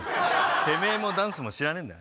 てめえもダンスも知らねえよ。